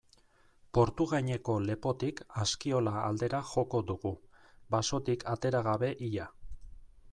Portugaineko lepotik Askiola aldera joko dugu, basotik atera gabe ia.